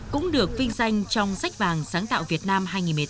cũng được vinh danh trong sách vàng sáng tạo việt nam hai nghìn một mươi tám